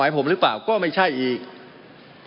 มันมีมาต่อเนื่องมีเหตุการณ์ที่ไม่เคยเกิดขึ้น